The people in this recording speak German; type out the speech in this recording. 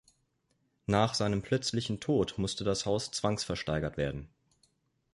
Nach seinem plötzlichen Tod musste das Haus zwangsversteigert werden.